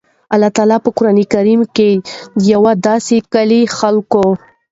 الله تعالی په قران کريم کي د يو داسي کلي خلکو